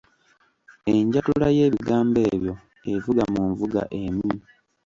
Enjatula y’ebigambo ebyo evuga mu nvuga emu.